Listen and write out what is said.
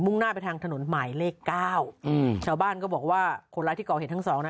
่งหน้าไปทางถนนหมายเลขเก้าอืมชาวบ้านก็บอกว่าคนร้ายที่ก่อเหตุทั้งสองนะ